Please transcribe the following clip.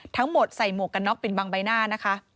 ทั้งหมดใส่หมวกกันน็อกปิดบังใบหน้านะคะ